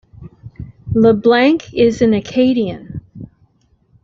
LeBlanc is an Acadian.